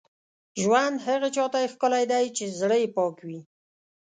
ژوند هغه چا ته ښکلی دی، چې زړه یې پاک وي.